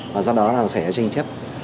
và do đó là xảy ra tranh chấp